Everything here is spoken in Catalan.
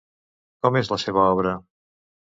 Com és la seva obra?